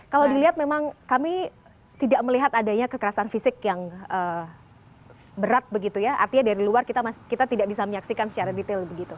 kalau dilihat memang kami tidak melihat adanya kekerasan fisik yang berat begitu ya artinya dari luar kita tidak bisa menyaksikan secara detail begitu